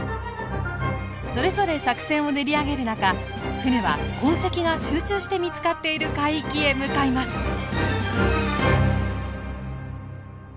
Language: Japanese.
それぞれ作戦を練り上げる中船は痕跡が集中して見つかっている海域へ向かいます。